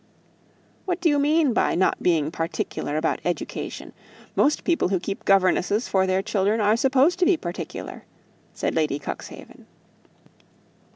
"What do you mean by not being particular about education? Most people who keep governesses for their children are supposed to be particular," said Lady Cuxhaven.